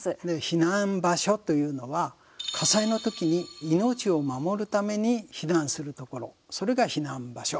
避難場所というのは火災の時に、命を守るために避難するところ、それが避難場所。